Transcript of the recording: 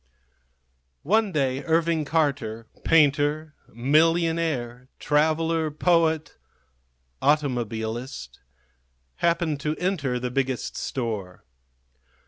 One day Irving Carter, painter, millionaire, traveller, poet, automobilist, happened to enter the Biggest Store.